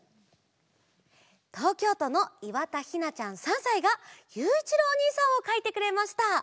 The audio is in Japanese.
とうきょうとのいわたひなちゃん３さいがゆういちろうおにいさんをかいてくれました！